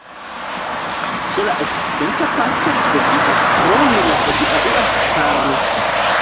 Ĉe la okcidenta parto troviĝas krome la hodiaŭa ŝtuparo.